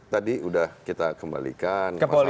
jadi sudah kita kembalikan